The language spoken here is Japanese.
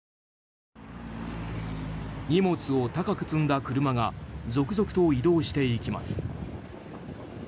荷物を高く積んだ車が続々と移動していきます。